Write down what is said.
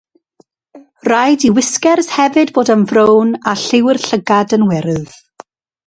Rhaid i wisgers hefyd fod yn frown a lliw'r llygad yn wyrdd.